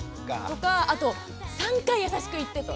あと３回優しく言ってと。